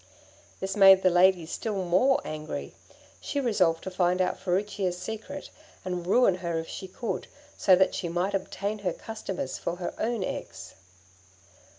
This made the lady still more angry; she resolved to find out Furicchia's secret, and ruin her if she could, so that she might obtain her customers for her own eggs.